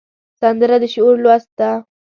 سندره د شعور لوست ده